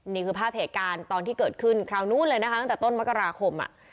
นี่คือภาพเหตุการณ์ตอนที่เกิดขึ้นคราวนู้นเลยนะคะตั้งแต่ต้นมกราคม